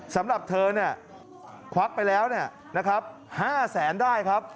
สำหรับเธอควักไปแล้วนะครับ๕๐๐๐๐๐บาทได้ครับ